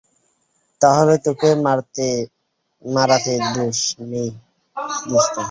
তাহলে তোকে মারাতে দোষ নেই, দোস্ত।